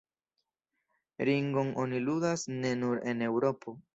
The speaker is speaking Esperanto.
Ringon oni ludas ne nur en Eŭropo.